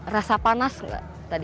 rasa panas enggak tadi